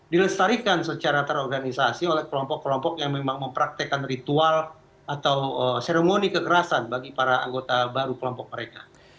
dilestarikan secara terorganisasi oleh kelompok kelompok yang memang mempraktekan ritual atau seremoni kekerasan bagi para anggota baru kelompok mereka